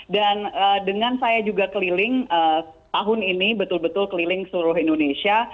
dan dengan saya juga keliling tahun ini betul betul keliling seluruh indonesia